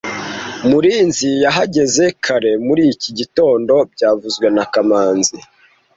Murinzi yahageze kare muri iki gitondo byavuzwe na kamanzi